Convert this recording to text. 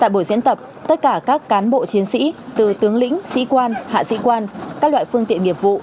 tại buổi diễn tập tất cả các cán bộ chiến sĩ từ tướng lĩnh sĩ quan hạ sĩ quan các loại phương tiện nghiệp vụ